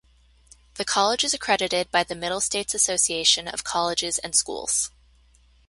The college is accredited by the Middle States Association of Colleges and Schools.